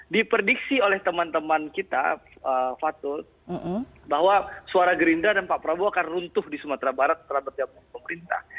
diprediksi oleh teman teman kita fatul bahwa suara gerindra dan pak prabowo akan runtuh di sumatera barat terhadap pemerintah